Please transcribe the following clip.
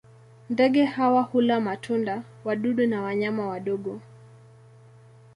Ndege hawa hula matunda, wadudu na wanyama wadogo.